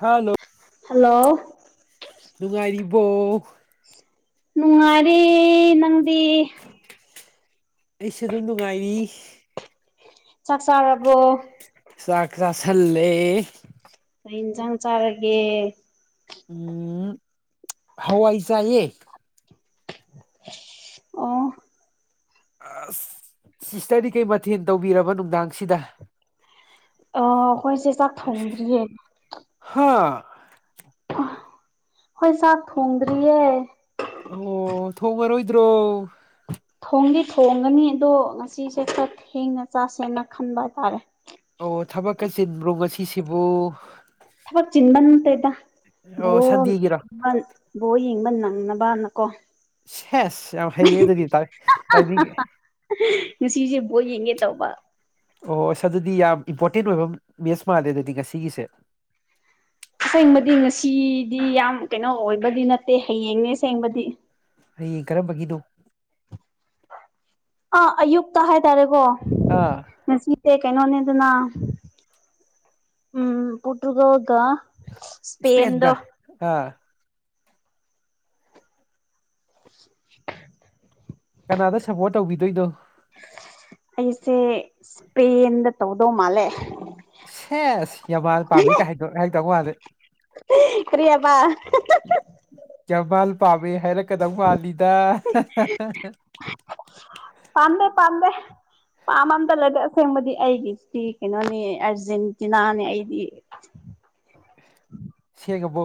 Hello hello ꯅꯨꯡꯉꯥꯏꯔꯤꯕꯣ ꯅꯨꯡꯉꯥꯏꯔꯤ ꯅꯪꯗꯤ ꯑꯩꯁꯨ ꯑꯗꯨꯝ ꯅꯨꯡꯉꯥꯏꯔꯤ ꯆꯥꯛ ꯆꯥꯔꯕꯣ ꯆꯥꯛ ꯆꯥꯁꯜꯂꯦ ꯀꯩ ꯌꯦꯟꯁꯥꯡ ꯆꯥꯔꯒꯦ ꯎꯝ ꯍꯋꯥꯏ ꯆꯥꯏꯌꯦ ꯑꯣ ꯑꯁ ꯁꯤꯁꯇꯔꯗꯤ ꯀꯩ ꯃꯊꯦꯟ ꯇꯧꯕꯤꯔꯕ ꯅꯨꯡꯗꯥꯡꯁꯤꯗ ꯑ ꯈꯣꯏꯁꯦ ꯆꯥꯛ ꯊꯣꯡꯗ꯭ꯔꯤꯌꯦ ꯍꯥ ꯑ ꯈꯣꯏ ꯆꯥꯛ ꯊꯣꯡꯗ꯭ꯔꯤꯌꯦ ꯑꯣ ꯊꯣꯡꯉꯔꯣꯏꯗ꯭ꯔꯣ ꯊꯣꯡꯗꯤ ꯊꯣꯡꯒꯅꯤ ꯑꯗꯣ ꯉꯁꯤꯁꯦ ꯈꯔ ꯊꯦꯡꯅ ꯆꯥꯁꯦꯅ ꯈꯟꯕ ꯑꯥꯇꯥꯔꯦ ꯑꯣ ꯊꯕꯛꯀ ꯆꯤꯟꯕ꯭ꯔꯣ ꯉꯁꯤꯁꯤꯕꯨ ꯊꯕꯛ ꯆꯤꯟꯕ ꯅꯥꯠꯇꯦꯗ ꯑꯣ ꯁꯟꯗꯦꯒꯤꯔꯣ [unintelligible] ꯕꯣꯜ ꯌꯦꯡꯕ ꯅꯪꯅꯕꯅꯀꯣ ꯁꯦꯁ ꯌꯥꯝ ꯍꯩꯌꯦ ꯑꯗꯨꯒꯤ ꯇꯥꯏ ꯇꯥꯏꯃꯤꯡ ꯉꯁꯤꯁꯦ ꯕꯣꯜ ꯌꯦꯡꯒꯦ ꯇꯧꯕ ꯑꯣ ꯏꯁ ꯑꯗꯨꯗꯤ ꯌꯥꯝ ꯏꯝꯄꯣꯔꯇꯦꯟ ꯑꯣꯏꯕ ꯃꯦꯁ ꯃꯥꯜꯂꯦ ꯑꯗꯨꯗꯤ ꯉꯁꯤꯒꯤꯁꯦ ꯑꯁꯦꯡꯕꯗꯤ ꯉꯁꯤꯗꯤ ꯌꯥꯝ ꯀꯩꯅꯣ ꯑꯣꯏꯕꯗꯤ ꯅꯠꯇꯦ ꯍꯌꯦꯡꯅꯦ ꯑꯁꯦꯡꯕꯗꯤ ꯍꯌꯦꯡ ꯀꯔꯝꯕꯒꯤꯅꯣ ꯑꯥ ꯑꯌꯨꯛꯇ ꯍꯥꯏꯇꯥꯔꯦꯀꯣ ꯑꯥ ꯉꯁꯤꯁꯦ ꯀꯩꯅꯣꯅꯦꯗꯅ ꯎꯝ ꯄꯣꯔꯇꯨꯒꯜꯒ ꯏꯁꯄꯦꯟ ꯏꯁꯄꯦꯟꯗꯣ ꯒ ꯍꯥ [inaudible] ꯀꯅꯥꯗ ꯁꯞꯕꯣꯔꯠ ꯇꯧꯕꯤꯗꯣꯏꯅꯣ ꯑꯩꯁꯦ ꯏꯁꯄꯦꯟꯗ ꯇꯧꯗꯧ ꯃꯥꯜꯂꯦ ꯁꯦꯁ ꯌꯥꯝꯃꯥꯜ ꯄꯥꯝꯃꯤ ꯀ ꯍꯥꯏꯗꯧ ꯍꯥꯏꯔꯛꯇꯧ ꯃꯥꯂꯤ ꯀꯔꯤ ꯑꯥꯕ ꯌꯥꯃꯥꯜ ꯄꯥꯃꯦ ꯍꯥꯏꯔꯛꯀꯗꯧ ꯃꯥꯥꯜꯂꯤꯗ ꯄꯥꯝꯃꯦ ꯄꯥꯝꯃꯦ ꯄꯥꯝꯕ ꯑꯝꯇ ꯂꯩꯇꯦ ꯑꯁꯦꯡꯕꯗꯤ ꯑꯩꯒꯤꯁꯤ ꯀꯩꯅꯣꯅꯦ ꯑꯔꯖꯦꯟꯇꯤꯅꯥꯅꯦ ꯑꯩꯗꯤ ꯁꯦꯡꯉꯕꯣ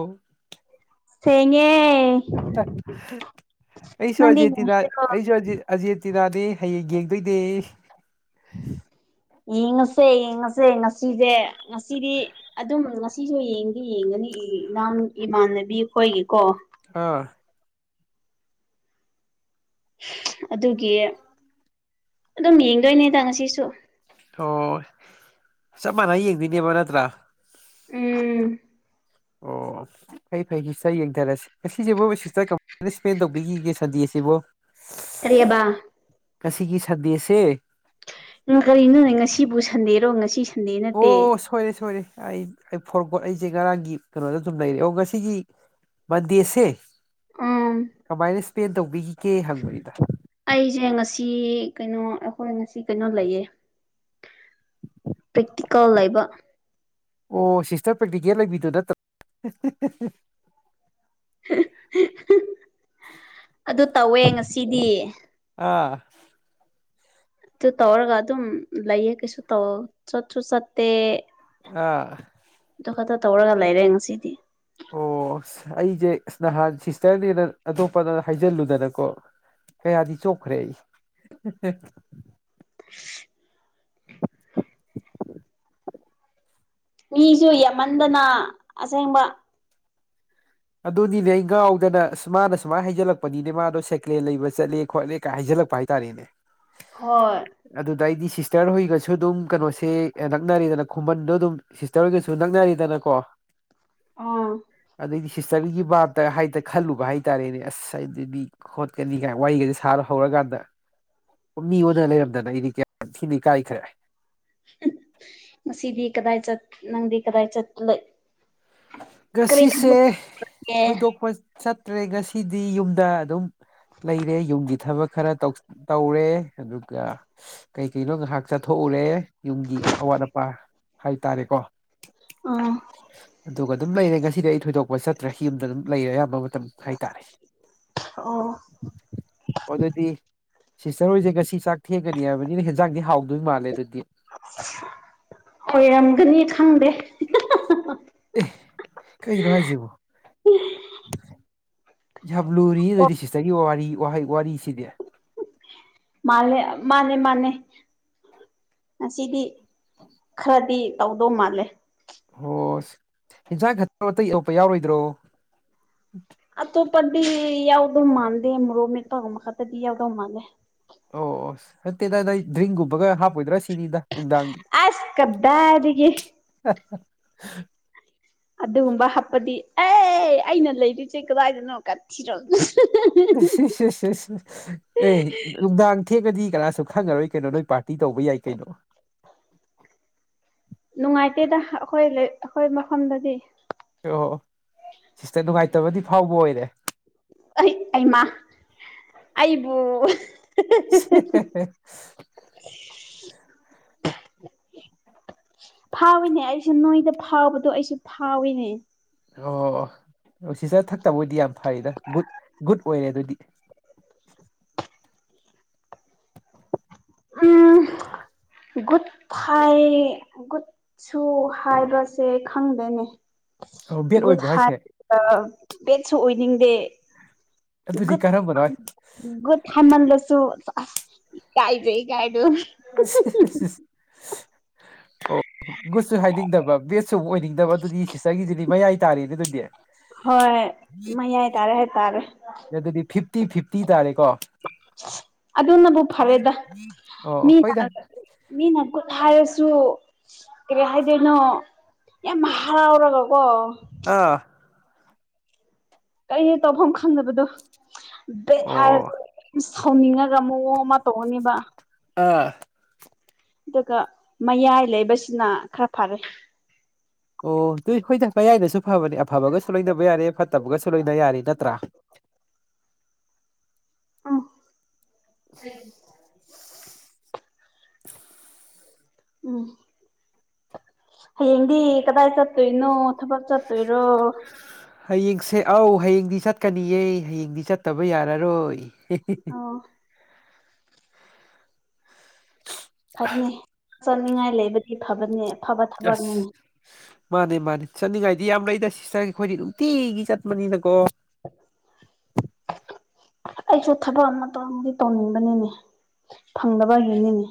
ꯁꯦꯡꯉꯦ ꯑꯩꯁꯨ ꯅꯪꯗꯤ ꯑꯔꯖꯦꯜꯇꯤꯅ ꯌꯦꯡꯁꯤꯔꯣ ꯑꯩꯖꯨ ꯑꯔꯖꯦꯜ ꯑꯖꯦꯠꯇꯤꯅꯥꯗꯤ ꯍꯌꯦꯡ ꯌꯦꯡꯗꯣꯏꯅꯦ [unintelligible] ꯌꯦꯡꯉꯁꯦ ꯌꯦꯡꯉꯁꯦ ꯉꯁꯤꯖꯦ ꯉꯁꯤꯗꯤ ꯑꯗꯨꯝ ꯉꯁꯤꯁꯨ ꯌꯦꯡꯗꯤ ꯌꯦꯡꯒꯅꯤ ꯏ ꯏꯅꯥꯎꯅꯨꯄꯤ ꯏꯃꯥꯟꯅꯕꯤ ꯈꯣꯏꯒꯤꯀꯣ ꯍꯥ ꯑꯗꯨꯒꯤ ꯑꯗꯨꯝ ꯌꯦꯡꯗꯣꯏꯅꯤꯗ ꯉꯁꯤꯁꯨ ꯊꯣꯑꯣ ꯆꯞ ꯃꯥꯟꯅ ꯌꯦꯡꯗꯣꯏꯅꯦꯕ ꯅꯠꯇ꯭ꯔꯥ ꯎꯝ ꯑꯣ ꯐꯩ ꯐꯩ ꯒꯤꯁꯩ ꯌꯦꯡꯗꯔꯁꯤ ꯉꯁꯤꯁꯤꯕꯨ ꯁꯤꯁꯇꯔ ꯀꯃꯥꯏꯅ ꯏꯁꯄꯦꯟ ꯇꯧꯕꯤꯈꯤꯒꯦ ꯁꯟꯗꯦꯁꯤꯕꯣ ꯀꯔꯤꯑꯕꯥ ꯉꯁꯤꯒꯤ ꯁꯟꯗꯦꯁꯦ ꯎꯝ ꯀꯔꯤꯅꯣꯅꯦ ꯉꯁꯤꯕꯨ ꯁꯟꯗꯦꯔꯣ ꯉꯁꯤ ꯁ ꯑꯣ ꯁꯣꯏꯔꯦ ꯁꯣꯏꯔꯦ ꯑꯩꯏꯠ ꯑꯩ ꯐꯣꯔꯒꯣ ꯑꯩꯖꯦ ꯉꯔꯥꯡꯒꯤ ꯀꯅꯣꯗ ꯑꯗꯨꯝ ꯂꯩꯔꯦ ꯑꯣ ꯉꯁꯤꯒꯤ ꯃꯟꯗꯦꯁꯦ ꯑꯥ ꯀꯃꯥꯏꯅ ꯏꯁꯄꯦꯟ ꯇꯧꯕꯤꯈꯤꯒꯦ ꯍꯪꯕ ꯅꯤꯗ ꯑꯩꯁꯦ ꯉꯁꯤ ꯀꯩꯅꯣ ꯑꯈꯣꯏ ꯉꯁꯤ ꯀꯟꯅꯣ ꯂꯩꯌꯦ ꯄ꯭ꯔꯤꯛꯇꯤꯀꯜ ꯂꯩꯕ ꯑꯣ ꯁꯤꯁꯇꯔ ꯄ꯭ꯔꯦꯛꯇꯤꯀꯦꯜ ꯂꯩꯕꯤꯗꯣ ꯅꯠꯇ꯭ꯔꯥ ꯑꯗꯣ ꯇꯧꯋꯦ ꯉꯁꯤꯗꯤ ꯑꯥ ꯑꯗꯨꯨ ꯇꯧꯔꯒ ꯑꯗꯨꯝ ꯂꯩꯌꯦ ꯀꯩꯁꯨ ꯇꯧ ꯆꯠꯁꯨ ꯆꯠꯇꯦ ꯑꯥ ꯑꯗꯨ ꯈꯛꯇ ꯇꯧꯔꯒ ꯂꯩꯔꯦ ꯉꯁꯤꯗꯤ ꯑꯣ ꯑꯩꯖꯦ ꯅꯍꯥꯟ ꯁꯤꯁꯇꯔꯅꯦꯅ ꯑꯇꯣꯞꯄꯗ ꯍꯥꯏꯖꯤꯜꯂꯨꯗꯅꯀꯣ ꯀꯌꯥꯗꯤ ꯆꯣꯞꯈ꯭ꯔꯦ ꯑꯩ [unintelligible] ꯃꯤꯖꯨ ꯌꯥꯝꯍꯟꯗꯅ ꯑꯁꯦꯡꯕ ꯑꯗꯨꯅꯤꯅꯦ ꯑꯩ ꯉꯥꯎꯗꯅ ꯃꯥꯅ ꯁꯨꯃꯥꯏ ꯍꯩꯖꯜꯂꯛꯄꯅꯤꯅꯦ ꯃꯥꯗꯣ ꯁꯦꯀ꯭ꯂꯦꯟ ꯂꯩꯕ ꯆꯠꯂꯦ ꯈꯣꯠꯂꯦ ꯀꯥꯏ ꯍꯥꯏꯖꯜꯂꯛꯄ ꯍꯥꯏꯇꯥꯥꯔꯦꯅꯦ [inaudible] ꯍꯣꯏ ꯑꯗꯨꯗꯩꯗꯤ ꯁꯤꯁꯇꯔ ꯍꯣꯏꯒꯁꯨ ꯑꯗꯨꯝ ꯀꯩꯅꯣꯁꯦ ꯅꯛꯅꯔꯦꯗꯅ ꯈꯨꯝꯕꯟꯗꯣ ꯑꯗꯨꯝ ꯁꯤꯁꯇꯔ ꯍꯣꯏꯒꯁꯨ ꯅꯛꯅꯔꯦꯗꯅꯀꯣ ꯎꯝ ꯍꯤꯁꯇꯔꯤꯒꯤ ꯕꯥꯞꯇ ꯍꯥꯏꯗ ꯈꯜꯂꯨꯕ ꯍꯥꯏꯇꯥꯔꯦꯅꯦ ꯑꯁ ꯍꯥꯏꯗꯤ ꯃꯤ ꯈꯣꯠꯀꯅꯤꯒꯥꯏ ꯋꯥꯔꯤꯒꯗꯤ ꯁꯥꯔ ꯍꯧꯔꯀꯥꯟꯗ ꯃꯤ ꯑꯣꯟꯅ ꯂꯩꯔꯝꯗꯅ ꯑꯩꯗꯤ ꯀꯌꯥꯝ ꯊꯤꯗꯤ ꯏꯀꯥꯈ꯭ꯔꯦ ꯉꯁꯤꯗꯤ ꯀꯗꯥꯏ ꯆꯠ ꯅꯪꯗꯤ ꯀꯗꯥꯏ ꯆꯠ ꯂꯩ ꯉꯁꯤꯁꯦ ꯑꯦ ꯊꯣꯏꯗꯣꯛꯄ ꯆꯠꯇ꯭ꯔꯦ ꯉꯁꯤꯗꯤ ꯌꯨꯝꯗ ꯑꯗꯨꯝ ꯂꯩꯔꯦ ꯌꯨꯝꯒꯤ ꯊꯕꯛ ꯈꯔ ꯇꯧꯔꯦ ꯑꯗꯨꯒ ꯀꯩ ꯀꯩꯅꯣ ꯉꯥꯏꯍꯥꯛ ꯆꯠꯊꯣꯛꯎꯔꯦ ꯌꯨꯝꯒꯤ ꯑꯋꯥꯠ ꯑꯄꯥ ꯍꯥꯏꯇꯥꯔꯦꯀꯣ ꯑꯥ ꯑꯗꯨꯒ ꯑꯗꯨꯝ ꯂꯩꯔꯦ ꯉꯁꯤꯗꯤ ꯑꯩ ꯊꯣꯏꯗꯣꯛꯄ ꯆꯠꯇ꯭ꯔꯦ ꯌꯨꯝꯗ ꯑꯗꯨꯝ ꯂꯩꯔꯦ ꯑꯌꯥꯝꯕ ꯃꯇꯝ ꯍꯥꯏꯇꯥꯔꯦ ꯑꯣ ꯑꯣ ꯑꯗꯨꯗꯤ ꯁꯤꯁꯇꯔ ꯍꯣꯏꯁꯦ ꯉꯁꯤ ꯆꯥꯛ ꯊꯦꯡꯒꯅꯤ ꯍꯥꯏꯕꯅꯤꯅ ꯍꯦꯟꯖꯥꯡꯗꯤ ꯍꯥꯎꯗꯣꯏ ꯃꯥꯜꯂꯦ ꯑꯗꯨꯗꯤ ꯑꯣꯏꯔꯝꯒꯅꯤ ꯈꯪꯗꯦ ꯑꯦ ꯀꯩꯅꯣ ꯍꯥꯏꯁꯤꯕꯣ ꯌꯥꯝ ꯂꯨꯔꯤ ꯑꯣ ꯑꯗꯨꯗꯤ ꯁꯤꯁꯇꯔꯒꯤ ꯋꯥꯔꯤ ꯋꯥꯍꯩ‌‌‌‌‌‌ ꯋꯥꯔꯤꯁꯤꯗꯤ ꯃꯥꯂꯦ ꯃꯥꯅꯦ ꯃꯥꯅꯦ ꯉꯁꯤꯗꯤ ꯈꯔꯗꯤ ꯇꯧꯗꯧ ꯃꯥꯜꯂꯦ ꯍꯣꯏꯁ ꯏꯟꯁꯥꯡ ꯈꯛꯇꯔꯣ ꯑꯇ ꯌꯔꯛꯄ ꯌꯥꯎꯔꯣꯏꯗ꯭ꯔꯣ ꯑꯠꯇꯣꯄꯗꯤ ꯌꯥꯎꯗꯣ ꯃꯥꯥꯟꯗꯦ ꯃꯔꯣꯃꯤꯠꯄ ꯃꯈꯥ ꯇꯗꯤ ꯌꯥꯎꯗꯧ ꯃꯥꯂꯦ ꯑꯣ ꯑꯣ ꯅꯠꯇꯦꯗꯥ‌ ꯅꯣꯏ ꯗ꯭ꯔꯤꯡꯒꯨꯝꯕꯒ ꯍꯥꯞꯄꯣꯏꯗ꯭ꯔꯥ ꯁꯤ ꯑꯁ ꯀꯗꯥꯗꯒꯤ [unintelligible] ꯑꯗꯨꯒꯨꯝꯕ ꯍꯥꯞꯄꯗꯤ ꯑꯦ ꯑꯩꯅ ꯂꯩꯔꯤꯨꯁꯦ ꯀꯗꯥꯏꯗꯅꯣ ꯀꯠ ꯊꯤꯔꯣ ꯑꯦ ꯅꯨꯛꯗꯥꯡ ꯊꯦꯛꯑꯗꯤ ꯀꯅꯥꯁꯨ ꯈꯪꯉꯔꯣꯏ ꯀꯩꯅꯣ ꯅꯣꯏ ꯄꯥꯔꯇꯤ ꯇꯧꯕ ꯌꯥꯏ ꯀꯩꯅꯣ ꯅꯨꯡꯉꯥꯏꯇꯦꯗ ꯑꯩꯈꯣꯏ ꯑꯩꯈꯣꯏ ꯃꯐꯝꯗꯗꯤ ꯑꯣ ꯑꯣ ꯁꯤꯁꯇ ꯅꯨꯡꯉꯥꯏꯇꯕꯗꯤ ꯐꯥꯎꯕ ꯑꯣꯏꯔꯦ ꯑꯩ ꯑꯩꯃ ꯑꯩꯕꯨ [unintelligible] ꯐꯥꯎꯏꯤꯅꯦ ꯑꯩꯁꯨ ꯅꯣꯏꯗ ꯐꯥꯎꯕꯗꯣ ꯑꯩꯁꯨ ꯐꯥꯎꯏꯅꯦ ꯑꯣ ꯁꯤꯁꯇ ꯊꯛꯇꯕ‌‌ ꯑꯣꯏꯗꯤ ꯌꯥꯝ ꯐꯩꯗ ꯒꯨꯗ ꯒꯨꯗ ꯑꯣꯏꯔꯦ ꯑꯗꯨꯗꯤ [inaudible] ꯒꯨꯗ‌ ꯐꯥꯏ‌ꯒꯨꯗ ꯁꯨ ꯍꯥꯏꯕꯁꯦ ꯈꯪꯗꯦꯅꯦ ꯑꯣ ꯕꯦꯠ ꯒꯨꯗ ꯑꯣꯏꯕ꯭ꯔꯣ ꯍꯥꯏꯁꯦ ꯍꯥꯏꯕ ꯕꯦꯠꯁꯨ ꯑꯣꯏꯅꯤꯡꯗꯦ ꯑꯗꯨꯗꯤ ꯀꯔꯝꯕꯅꯣ ꯒꯨꯗ ‌‌ꯍꯥꯏꯃꯟꯂꯁꯨ‌ ꯏꯀꯥꯏꯖꯩ‌‌‌‌‌‌‌‌ꯀꯥꯏꯗꯣ ꯑꯣ ꯒꯨꯠꯁꯨ ꯍꯥꯏꯅꯤꯡꯗꯕ ꯕꯦꯠꯁꯨ ꯑꯃꯨꯛ ꯑꯣꯏꯅꯤꯡꯗꯕ ꯑꯗꯨꯗꯤ ꯁꯤꯁꯇꯔꯒꯤꯗꯨꯗꯤ ꯃꯌꯥꯏ ꯇꯥꯔꯦꯅꯦ ꯑꯗꯨꯗꯤ ꯍꯣꯏ ꯃꯌꯥꯏꯇꯥꯔꯦ ꯍꯥꯏꯇꯥꯔꯦ ꯑꯗꯨꯗꯤ ꯐꯤꯞꯇꯤ ꯐꯤꯞꯇꯤ ꯇꯥꯔꯦꯀꯣ ꯑꯗꯨꯅꯕꯨ ꯐꯔꯦꯗ ꯑꯣ ꯃꯤꯅ ꯍꯣꯏꯗ ꯃꯤꯅ ꯒꯨꯠ ꯍꯥꯏꯔꯁꯨ ꯀꯩꯔꯤ ꯍꯥꯏꯗꯣꯏꯅꯣ ꯀꯦꯝ ꯍꯥꯎꯔꯒꯀꯣ ꯑꯥ ꯀꯔꯤ ꯇꯧꯐꯝ ꯈꯪꯗꯕꯗꯣ ꯕꯦꯗ ꯑꯣ ꯍꯥꯏꯔꯒ ꯁꯧꯅꯤꯡꯉꯒ ꯃꯑꯣꯡ ꯑꯃ ꯇꯧꯅꯦꯕ ꯑꯥ ꯑꯗꯨꯒ ꯃꯌꯥꯏ ꯂꯩꯕꯁꯤꯅ ꯈꯔ ꯐꯔꯦ ꯑꯣ ꯑꯗꯨꯏ ꯍꯣꯏꯗ ꯃꯌꯥꯏꯅꯁꯨ ꯐꯕꯅꯦ ꯑꯐꯕꯒꯁꯨ ꯂꯣꯏꯅꯕ ꯌꯥꯔꯦ ꯐꯠꯇꯕꯒꯁꯨ ꯂꯣꯏꯅ ꯌꯥꯔꯦ ꯅꯠꯇ꯭ꯔꯥ? ꯑꯝ [inaudible] ꯎꯝ ꯍꯌꯦꯡꯗꯤ ꯀꯗꯥꯏ ꯆꯠꯇꯨꯏꯅꯣ ꯊꯕꯛ ꯆꯠ ꯇꯣꯏꯔꯣ ꯍꯌꯦꯡꯁꯦ ꯑꯧ ꯍꯌꯦꯡꯗꯤ ꯆꯠꯀꯅꯤꯌꯦ ꯍꯌꯦꯡꯗꯤ ꯆꯠꯇꯕ ꯌꯥꯔꯔꯣꯏ꯫ ꯑꯣ ꯐꯩꯅꯦ ꯆꯠꯅꯤꯡꯉꯥꯏ ꯂꯩꯕꯗꯤ ꯐꯕꯅꯦ꯫ ꯐꯕ ꯑꯁ ꯊꯕꯛꯅꯤꯅꯦ ꯃꯥꯅꯦ- ꯃꯥꯅꯦ ꯆꯠꯅꯤꯡꯉꯥꯏꯗꯤ ꯌꯥꯝ ꯂꯩꯗ ꯁꯤꯁꯇꯔꯒꯤ ꯑꯩꯈꯣꯏꯗꯤ ꯅꯨꯡꯇꯤꯒꯤ ꯆꯠꯄꯅꯤꯅꯀꯣ꯫ [inaudible] ꯑꯩꯁꯨ ꯊꯕꯛ ꯑꯃꯇꯪꯗꯤ ꯇꯧꯅꯤꯡꯕꯅꯤꯅꯦ ꯐꯪꯗꯕꯒꯤꯅꯤꯅꯦ꯫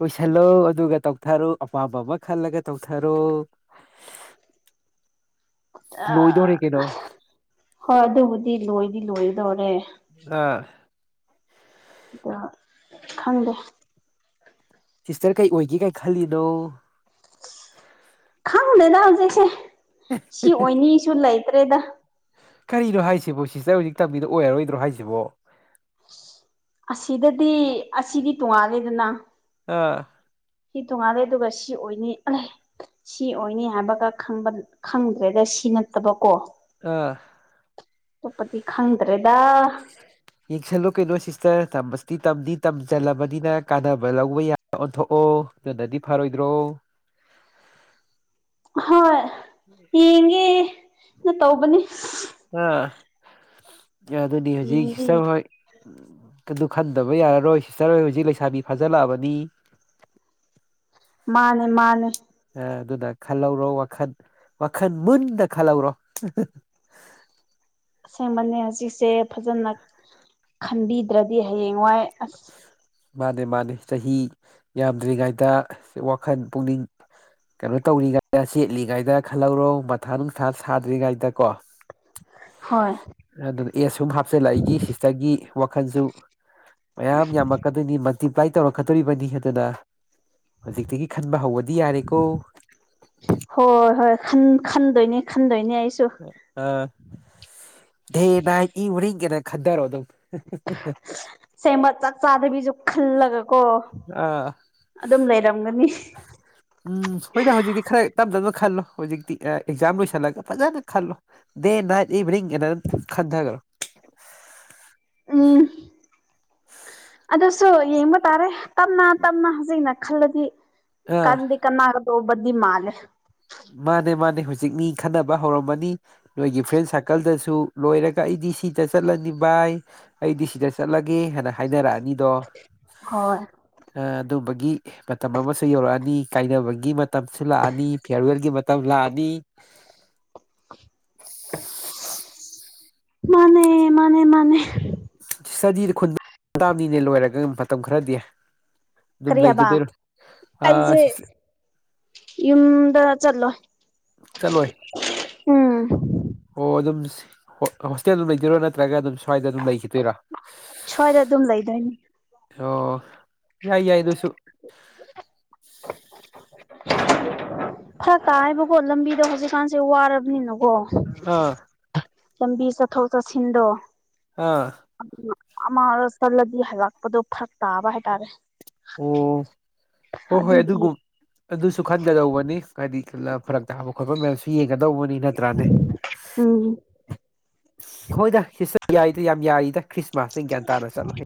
ꯂꯣꯏꯁꯤꯜꯂꯣ ꯑꯗꯨꯒ ꯇꯧꯊꯔꯣ ꯑꯄꯥꯝꯕ ꯑꯃ ꯈꯜꯂꯒ ꯇꯧꯊꯔꯣ꯫ [inaudible] ꯑ ꯂꯣꯏꯗꯣꯔꯦ ꯀꯩꯅꯣ ꯍꯣꯏ ꯑꯗꯨꯕꯨꯗꯤ ꯂꯣꯏꯗꯤ ꯂꯣꯏꯗꯣꯔꯦ꯫ ꯑꯥ ꯑꯗꯣ ꯈꯪꯗꯦ꯫ ꯁꯤꯁꯇꯔ ꯀꯩ ꯑꯣꯏꯒꯦ ꯀꯥꯏ ꯈꯜꯂꯤꯅꯣ? ꯈꯪꯗꯦꯗ ꯍꯧꯖꯤꯛꯁꯦ ꯁꯤ ꯑꯣꯏꯅꯤꯁꯨ ꯂꯩꯇ꯭ꯔꯦꯗ꯫ ꯀꯔꯤꯅꯣ ꯍꯥꯏꯁꯤꯕꯣ ꯁꯤꯁꯇꯔ ꯍꯧꯖꯤꯛ ꯇꯝꯃꯤꯗꯣ ꯑꯣꯏꯔꯔꯣꯏꯗ꯭ꯔꯣ ꯍꯥꯏꯁꯤꯕꯣ꯫ ꯑꯁꯤꯗꯗꯤ ꯑꯁꯤꯗꯤ ꯇꯣꯉꯥꯜꯂꯦꯗꯅ꯫ ꯑꯥ ꯁꯤ ꯇꯣꯡꯉꯥꯜꯂꯦ ꯑꯗꯨꯒ ꯁꯤ ꯑꯣꯏꯅꯤ ꯁꯤ ꯑꯣꯏꯅꯤ ꯍꯥꯏꯕꯒꯕ ꯈꯪꯕ- ꯈꯪꯗ꯭ꯔꯦꯗ ꯁꯤ ꯅꯠꯇꯕꯀꯣ꯫ ꯑꯥ ꯑꯇꯣꯞꯄꯗꯤ ꯈꯪꯗ꯭ꯔꯦꯗ꯫ ꯌꯦꯡꯁꯜꯂꯣ ꯀꯩꯅꯣ ꯁꯤꯁꯇꯔ ꯇꯝꯃꯗꯤ ꯇꯝꯗꯤ- ꯇꯝꯁꯤꯜꯂꯕꯅꯤꯅ ꯀꯥꯟꯅꯕ ꯂꯧꯕ ꯌꯥ ꯑꯣꯟꯊꯣꯛꯑꯣ ꯑꯗꯨꯅꯗꯤ ꯐꯔꯣꯏꯗ꯭ꯔꯣ ꯍꯣꯏ ꯌꯦꯡꯉꯦ-ꯅ ꯇꯧꯕꯅꯤ꯫ ꯑꯥ ꯑꯗꯨꯅꯤ ꯍꯧꯖꯤꯛ ꯌꯦꯡꯗꯤ ꯁꯤꯁꯇꯔ ꯍꯣꯏ ꯑꯗꯨ ꯈꯟꯗꯕ ꯌꯥꯔꯔꯣꯏ ꯁꯤꯁꯇꯔ ꯍꯣꯏ ꯍꯧꯖꯤꯛ ꯂꯩꯁꯥꯕꯤ ꯐꯥꯖꯤꯜꯂꯛꯑꯕꯅꯤ꯫ ꯃꯥꯅꯦ ꯃꯥꯅꯦ ꯑꯗꯨꯅ ꯈꯜꯍꯧꯔꯣ ꯋꯥꯈꯜ -ꯋꯥꯈꯜ ꯃꯨꯟꯅ ꯈꯜꯍꯧꯔꯣ꯫ ꯑꯁꯦꯡꯕꯅꯦ ꯍꯧꯖꯤꯛꯁꯦ ꯐꯖꯅ ꯈꯟꯕꯤꯗ꯭ꯔꯗꯤ ꯍꯌꯦꯡꯋꯥꯏ ꯑꯁ ꯃꯥꯅꯦ- ꯃꯥꯅꯦ ꯆꯍꯤ ꯌꯥꯝꯗ꯭ꯔꯤꯉꯩꯗ ꯋꯥꯈꯜ ꯄꯨꯛꯅꯤꯡ ꯀꯩꯅꯣ ꯇꯧꯔꯤꯉꯥꯏꯗ ꯁꯦꯠꯂꯤꯉꯥꯏꯗ ꯈꯜꯍꯧꯔꯣ ꯃꯊꯥ ꯅꯨꯡꯁꯥ ꯁꯥꯗ꯭ꯔꯤꯉꯥꯏꯗ ꯀꯣ꯫ [inaudible] ꯍꯣꯏ ꯑꯗꯨꯅ ꯑꯦꯖ ꯁꯨꯝ ꯍꯥꯞꯆꯤꯜꯂꯩꯒꯤ ꯁꯤꯁꯇꯔꯒꯤ ꯋꯥꯈꯜꯁꯨ ꯃꯌꯥꯝ ꯌꯥꯝꯃꯛꯀꯗꯣꯏꯅꯤ꯫ ꯃꯜꯇꯤꯄ꯭ꯂꯥꯏ ꯇꯧꯔꯛꯀꯗꯣꯔꯤꯕꯅꯤ ꯑꯗꯨꯅ ꯍꯧꯖꯤꯛꯇꯒꯤ ꯈꯟꯕ ꯍꯧꯕꯗꯤ ꯌꯥꯔꯦꯀꯣ꯫ ꯍꯣꯏ ꯍꯣꯏ ꯈꯟꯗꯣꯏꯅꯤ ꯈꯟꯗꯣꯏꯅꯦ ꯑꯩꯁꯨ ꯑ ꯗꯦ ꯅꯥꯏꯠ ꯏ ꯃꯔꯤꯡꯒꯅ ꯈꯟꯊꯔꯣ ꯑꯗꯨꯝ ꯑꯁꯦꯡꯕ ꯆꯥꯛ ꯆꯥꯗꯕꯤꯁꯨ ꯈꯜꯂꯒ ꯀꯣ ꯑꯥ ꯎꯝ ꯍꯣꯏꯗ ꯍꯧꯖꯤꯛꯇꯤ ꯈꯔ ꯇꯞ ꯇꯞꯅ ꯈꯜꯂꯣ ꯍꯧꯖꯤꯛꯇꯤ ꯑꯦꯛꯖꯥꯝ ꯂꯣꯏꯁꯤꯜꯂꯒ ꯐꯖꯅ ꯈꯜꯂꯣ ꯗꯦ ꯅꯥꯏꯠ ꯏꯕꯤꯅꯤꯡ ꯅ ꯈꯟꯗꯈꯔꯣ ꯎꯝ ꯑꯗꯨꯁꯨ ꯌꯦꯡꯕ ꯇꯥꯔꯦ ꯇꯞꯅ ꯇꯞꯅ ꯍꯧꯖꯤꯛꯅ ꯈꯜꯂꯗꯤ ꯑꯥ ꯀꯥꯟꯗ ꯀꯅꯥꯒꯗꯣꯕꯗꯤ ꯃꯥꯥꯂꯦ ꯃꯥꯅꯦ ꯃꯥꯅꯦ ꯍꯨꯖꯤꯛ ꯃꯤ ꯈꯟꯅꯕ ꯍꯧꯔꯝꯃꯅꯤ ꯅꯣꯏꯒꯤ ꯐ꯭ꯔꯦꯟ ꯁꯥꯔꯀꯜꯗꯁꯨ ꯂꯣꯏꯔꯒ ꯑꯩꯗꯤ ꯁꯤꯗ ꯆꯠꯂꯅꯤ ꯕꯥꯏ ꯑꯩꯗꯤ ꯁꯤꯗ ꯆꯠꯂꯒꯦ ꯍꯥꯏꯅ ꯍꯥꯏꯅꯔꯛꯑꯅꯤꯗꯣ ꯍꯣꯏ ꯑꯥ ꯑꯗꯨꯝꯕꯒꯤ ꯃꯇꯝ ꯑꯃꯁꯨ ꯌꯧꯔꯛꯑꯅꯤ ꯀꯥꯏꯅꯕꯒꯤ ꯃꯇꯝꯁꯨ ꯂꯥꯛꯑꯅꯤ ꯐꯥꯌꯔꯋꯦꯜꯒꯤ ꯃꯇꯝ ꯂꯥꯛꯑꯅꯤ ꯃꯥꯅꯦ ꯃꯥꯅꯦ ꯃꯥꯅꯦ ꯁꯇ꯭ꯗꯤꯗ ꯈꯨꯟ ꯇꯥꯝꯅꯤꯅꯦ ꯂꯣꯏꯔꯒ ꯃꯇꯝ ꯈꯔꯗꯤ ꯑꯗꯨꯝ ꯀꯔꯤ ꯍꯥꯏꯕ ꯂꯩꯒꯤꯗꯣꯏꯔꯣ ꯍꯥ ꯑꯩꯁꯦ ꯁꯤ ꯌꯨꯝꯗ ꯆꯠꯂꯣꯏ ꯆꯠꯂꯣꯏ ꯎꯝ ꯑꯣ ꯑꯗꯨꯝ ꯍꯣꯁꯇꯦꯜ ꯑꯗꯨꯝ ꯂꯩꯗꯣꯏꯔꯣ ꯅꯠꯇ꯭ꯔꯒ ꯑꯗꯨꯝ ꯁ꯭ꯋꯥꯏꯗ ꯑꯗꯨꯝ ꯂꯩꯈꯤꯗꯣꯏꯔꯥ ꯁ꯭ꯋꯥꯏꯗ ꯑꯗꯨꯝ ꯂꯩꯗꯣꯏꯅꯤ ꯑꯣ ꯌꯥꯏ ꯌꯥꯏ ꯑꯗꯨꯁꯨ ꯐꯔꯛ ꯇꯥꯏꯌꯦꯕꯀꯣ ꯂꯝꯕꯤꯗꯣ ꯍꯧꯖꯤꯛꯀꯥꯟ ꯁꯦ ꯋꯥꯔꯕꯅꯤꯅꯀꯣ ꯑꯥ ꯂꯝꯕꯤ ꯆꯠꯊꯣꯛ ꯆꯠꯁꯤꯟꯗꯣ ꯍꯥ ꯑꯗꯨꯅꯥ ꯑꯃꯥꯗ ꯆꯠꯂꯗꯤ ꯍꯜꯂꯛꯄꯗꯣ ꯐꯔꯛ ꯇꯥꯕ ꯍꯥꯏꯇꯥꯔꯦ ꯑꯣ ꯍꯣꯏ ꯍꯣꯏ ꯑꯗꯨꯒꯤ ꯑꯗꯨꯒꯨꯝ ꯑꯗꯨꯁꯨ ꯈꯟꯒꯗꯧꯕꯅꯤ ꯍꯥꯏꯗꯤ ꯐꯔꯛ ꯇꯥꯕ ꯈꯣꯠꯄ ꯃꯌꯥꯝꯁꯨ ꯌꯦꯡꯒꯗꯧꯕꯅꯤ ꯅꯠꯇ꯭ꯔꯥꯅꯦ ꯎꯝ ꯍꯣꯏꯗꯥ ꯍꯤ ꯁ ꯌꯥꯏꯗ ꯌꯥꯝ ꯌꯥꯏꯗ ꯈ꯭ꯔꯤꯃꯥꯁꯇ ꯒ꯭ꯌꯥꯟ ꯇꯥꯅ ꯆꯠꯂꯣ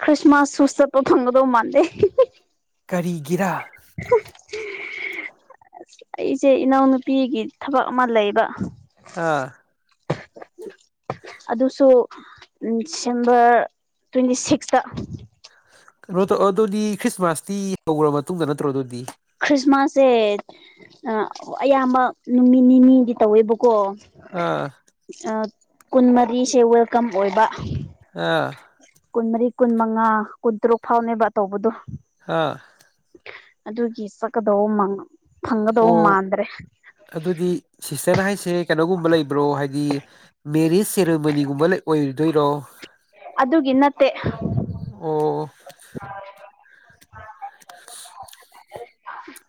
ꯈ꯭ꯔꯤꯁꯃꯥꯁꯁꯨ ꯆꯠꯄ ꯐꯪꯒꯗꯣ ꯃꯥꯥꯟꯗꯦ ꯀꯔꯤꯒꯤꯔꯥ ꯑꯁ ꯑꯩꯁꯦ ꯏꯅꯥꯎꯅꯨꯄꯤꯒꯤ ꯊꯕꯛ ꯑꯃ ꯂꯩꯕ ꯑꯥ ꯑꯗꯨꯁꯨ ꯗꯤꯁꯦꯝꯕꯔ ꯇ꯭ꯋꯦꯟꯇꯤ ꯁꯤꯛꯁꯇ ꯀꯩꯅꯣ ꯇꯧ ꯑꯗꯨꯗꯤ ꯈ꯭ꯔꯤꯁꯃꯥꯁꯇꯤ ꯌꯧꯒꯔ꯭ ꯃꯇꯨꯡꯗ ꯅꯠꯇ꯭ꯔꯣ ꯑꯗꯨꯗꯤ ꯈ꯭ꯔꯤꯁꯃꯥꯁꯁꯦ ꯑ ꯑꯌꯥꯝꯕ ꯅꯨꯃꯤꯠ ꯅꯤꯅꯤꯗꯤ ꯇꯧꯋꯦꯕꯀꯣ ꯑꯥ ꯑꯥ ꯀꯨꯟꯃꯔꯤꯁꯦ ꯋꯦꯜꯀꯝ ꯑꯣꯏꯕ ꯑꯥ ꯀꯨꯟꯃꯔꯤ ꯀꯨꯟꯃꯉꯥ ꯀꯨꯟꯇꯔꯨꯛ ꯐꯥꯎꯅꯦꯕ ꯇꯧꯕꯗꯣ ꯍꯥꯥ ꯑꯗꯨꯒꯤ ꯆꯛꯀꯗꯧꯕ ꯃꯥꯡ ꯐꯪꯒꯗꯧꯕ ꯑꯣ ꯃꯥꯟꯗ꯭ꯔꯦ ꯑꯗꯨꯗꯤ ꯁꯤꯁꯇꯔꯅ ꯍꯥꯏꯁꯦ ꯀꯩꯅꯣꯒꯨꯝꯕ ꯂꯩꯕ꯭ꯔꯣ ꯍꯥꯏꯗꯤ ꯃꯦꯔꯤꯁ ꯁꯦꯔꯦꯃꯅꯤꯒꯨꯝꯕ ꯂꯩ ꯑꯣꯏꯔꯨꯗꯣꯏꯔꯣ ꯑꯗꯨꯒꯤ ꯅꯠꯇꯦ ꯑꯣ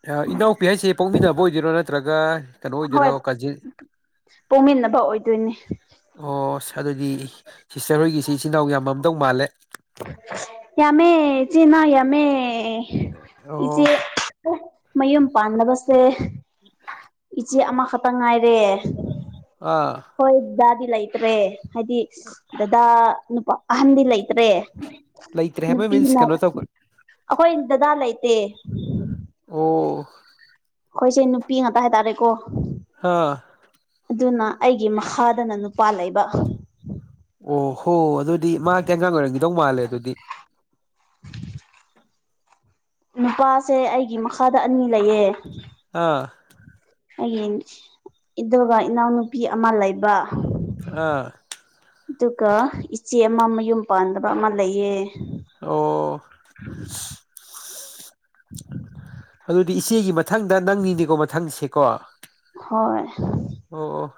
ꯑꯥ ꯏꯅꯥꯎꯄꯤ ꯍꯥꯏꯁꯦ ꯄꯣꯛꯃꯤꯟꯅꯕ ꯑꯣꯏꯗꯣꯏꯔꯣ ꯅꯠꯇ꯭ꯔꯒ ꯀꯩꯅꯣ ꯍꯣꯏ ꯑꯣꯏꯗꯣꯏꯔꯣ ꯀꯥꯖꯤꯟ ꯄꯣꯛꯃꯤꯟꯅꯕ ꯑꯣꯏꯗꯣꯏꯅꯦ ꯑꯣꯁ ꯑꯗꯨꯗꯤ ꯁꯤꯁꯇꯔ ꯍꯣꯏꯒꯤꯁꯤ ꯏꯆꯤꯟ ꯏꯅꯥꯎ ꯌꯥꯝꯃꯝꯗꯧ ꯃꯥꯜꯂꯦ ꯌꯥꯃꯦ ꯏꯆꯦꯅ ꯌꯥꯝꯃꯦ ꯏꯆꯦ ꯑꯣ ꯃꯌꯨꯝ ꯄꯥꯟꯅꯕꯁꯦ [inaudible] ꯆꯦ ꯑꯃꯈꯠꯇ ꯉꯥꯏꯔꯦ ꯑ ꯍꯣꯏ ꯗꯥꯗꯤ ꯂꯩꯇ꯭ꯔꯦ ꯍꯥꯏꯗꯤ ꯗꯗꯥ ꯅꯨꯄꯥ ꯑꯍꯟꯗꯤ ꯂꯩꯇ꯭ꯔꯦ ꯂꯩꯇ꯭ꯔꯦ ꯍꯥꯏꯕ ꯅꯨꯄꯤ ꯃꯤꯟꯁ ꯂꯥꯛ ꯀꯩꯅꯣ ꯇꯧ ꯑꯈꯣꯏ ꯗꯗꯥ ꯂꯩꯇꯦ ꯑꯣ ꯑꯣ ꯈꯣꯏꯁꯦ ꯅꯨꯄꯤ ꯉꯥꯛꯇ ꯍꯥꯏꯇꯥꯔꯦꯀꯣ ꯍ ꯑꯗꯨꯅ ꯑꯩꯒꯤ ꯃꯈꯥꯗꯅ ꯅꯨꯄꯥ ꯂꯩꯕ ꯑꯣ ꯍꯣ ꯑꯗꯨꯗꯤ ꯃꯥ ꯀꯦꯟꯖꯥꯡ ꯑꯣꯏꯔꯝꯒꯤꯗꯧ ꯃꯥꯜꯂꯦ ꯗꯨꯗꯤ [inaudible] ꯅꯨꯄꯥꯁꯦ ꯑꯩꯒꯤ ꯃꯈꯥꯗ ꯑꯅꯤ ꯂꯩꯌꯦ ꯑ ꯑꯩꯒꯤꯟ ꯏꯗꯨꯒ ꯏꯅꯥꯎꯅꯨꯄꯤ ꯑꯃ ꯂꯩꯕ ꯑ ꯇꯨꯀ ꯏꯆꯦ ꯑꯃ ꯃꯌꯨꯝ ꯄꯥꯟꯗꯕ ꯑꯃ ꯂꯩꯌꯦ ꯑꯣ ꯑꯗꯨꯗꯤ ꯏꯆꯦꯒꯤ ꯃꯊꯪꯗ ꯅꯪꯅꯤꯅꯦꯀꯣ ꯃꯊꯪꯁꯦꯀꯣ ꯍꯣꯏ ꯑꯣ ꯑꯣ